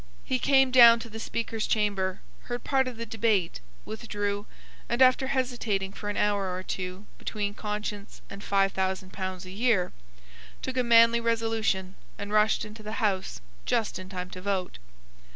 He come down to the Speaker's chamber, heard part of the debate, withdrew, and, after hesitating for an hour or two between conscience and five thousand pounds a year, took a manly resolution and rushed into the House just in time to vote.